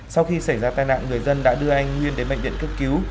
sau khi xảy ra tai nạn người dân đã đưa anh nguyên đến bệnh viện cấp cứu